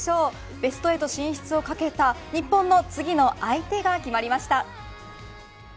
ベスト８進出をかけた日本の次の相手が決まりました。